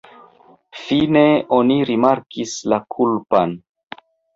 Fine oni rimarkis la kulpan.